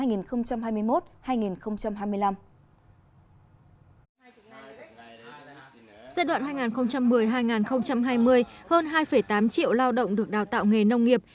giai đoạn hai nghìn một mươi hai nghìn hai mươi hơn hai tám triệu lao động được đào tạo nghề nông nghiệp